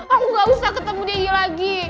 aku gak usah ketemu deddy lagi